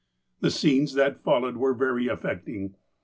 " The scenes that followed were very affecting.